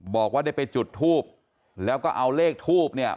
บอกว่าได้ไปจุดทูบแล้วก็เอาเลขทูบเนี่ย